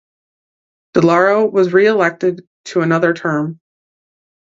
DeLauro was re-elected to another term.